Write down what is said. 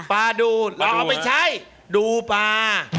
มาดูเราเอาไปใช้ดูปลา